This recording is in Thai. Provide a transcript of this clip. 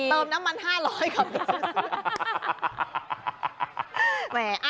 เติมน้ำมัน๕๐๐ครับ